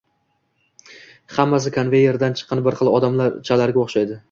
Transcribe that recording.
Hammasi konveyerdan chiqqan bir xil odamchalarga o‘xshaydi.